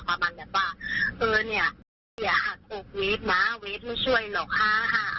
ประมาณแบบว่าเออเนี้ยอย่าหักอบเวฟมาเวฟไม่ช่วยหรอกฮ่าฮ่า